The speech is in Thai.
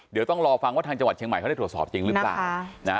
เดี๋ยวต้องรอฟังว่าทางจังหวัดเชียงใหม่เขาได้ตรวจสอบจริงหรือเปล่า